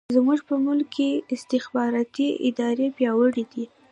زموږ په ملک کې استخباراتي ادارې پیاوړې دي.